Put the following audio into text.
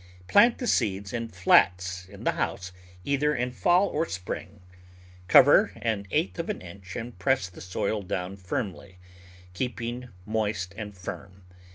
Plant the seeds in flats in the house either in fall or spring. Cover an eighth of an inch and press the soil down firmly, keeping moist and warm.